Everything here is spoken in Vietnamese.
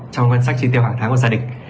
trong quan sát chi tiêu hàng tháng của gia đình